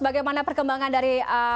bagaimana perkembangan dari